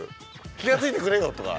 気が付いてくれよとか。